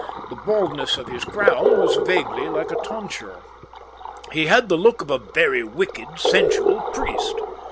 The baldness of his crown was vaguely like a tonsure. He had the look of a very wicked, sensual priest.